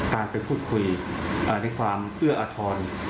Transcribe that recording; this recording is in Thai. การไปพูดคุยในความเอื้ออทร